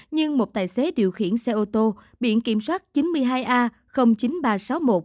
nhưng một tài xế điều khiển xe ô tô biển kiểm soát chín mươi hai a chín nghìn ba trăm sáu mươi một